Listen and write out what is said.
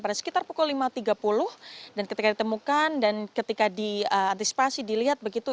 pada sekitar pukul lima tiga puluh dan ketika ditemukan dan ketika diantisipasi dilihat begitu